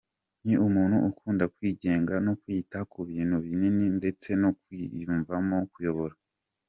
Ni umuntu ukunda kwigenga no kwita ku bintu binini ndetse no kwiyumvamo kuyobora.